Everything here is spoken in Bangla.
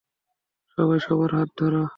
সবাই সবার হাত ধরো।